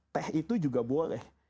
teh itu juga boleh